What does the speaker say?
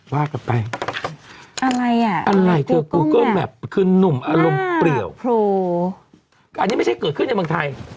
ว่ากลับไปอะไรอ่ะอะไรเธอกูเกิ้ลแมพคือนุ่มอารมณ์เปรียวอันนี้ไม่ใช่เกิดขึ้นในเมืองไทย